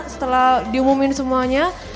setelah diumumin semuanya